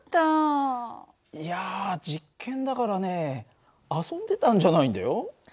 いや実験だからね遊んでたんじゃないんだよ。